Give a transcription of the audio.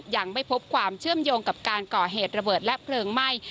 ยังไม่พบความเชื่อมโยงกับการก่อเหตุระเบิดและเพลิงไหม้